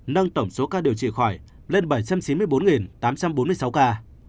nâng tổng số ca điều trị khỏi lên bảy trăm chín mươi bốn tám trăm bốn mươi sáu ca